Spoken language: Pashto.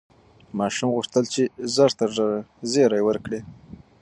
ماشوم غوښتل چې ژر تر ژره زېری ورکړي.